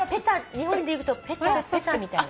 日本でいくとペタペタみたいな。